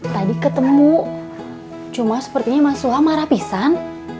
tadi ketemu cuma sepertinya mas suha marah pisan